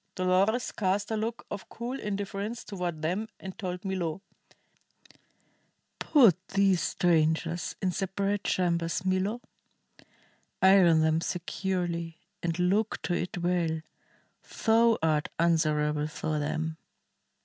Dolores cast a look of cool indifference toward them and told Milo: "Put these strangers in separate chambers, Milo. Iron them securely and look to it well. Thou art answerable for them."